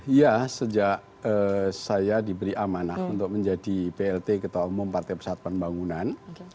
iya sejak saya diberi amanah untuk menjadi plt ketua umum partai persatuan pembangunan